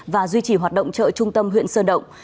và duy trì hoạt động chợ trung tâm huyện sơn động